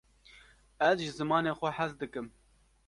ez ji zimanê xwe hez dikim